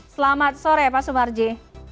selamat sore pak sumarji